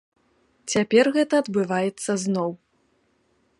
Цяпер гэта адбываецца зноў.